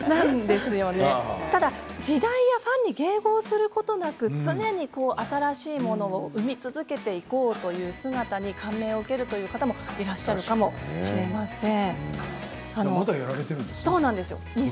ただ時代やファンに迎合することなく常に新しいものを生み続けていこうという姿に感銘を受けるという方もいらっしゃるかもしれません。